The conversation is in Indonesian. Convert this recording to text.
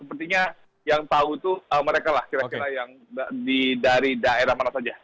sepertinya yang tahu itu merekalah kira kira yang di dari daerah mana saja